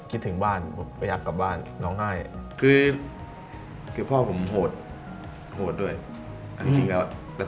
คือแบบเล่นบอลสไตล์ผมตอนไว้เด็กคือแบบ